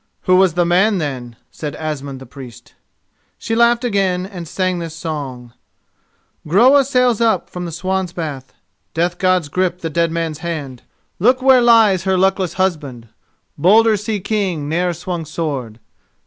"Who was the man, then?" said Asmund the Priest. She laughed again and sang this song:— Groa sails up from the Swan's Bath, Death Gods grip the Dead Man's hand. Look where lies her luckless husband, Bolder sea king ne'er swung sword!